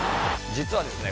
実はですね